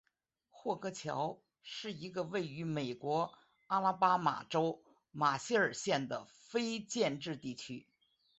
霍格乔是一个位于美国阿拉巴马州马歇尔县的非建制地区。